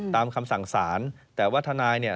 คำสั่งสารแต่ว่าทนายเนี่ย